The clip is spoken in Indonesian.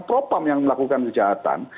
propam yang melakukan kejahatan